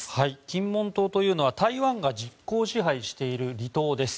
金門島というのは台湾が実効支配している離島です。